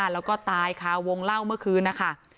แล้วก็ตายค่ะวงเล่าเมื่อคืนนะคะ